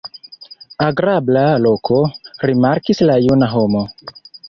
Agrabla loko, rimarkis la juna homo.